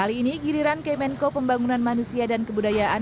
kali ini giliran kemenko pembangunan manusia dan kebudayaan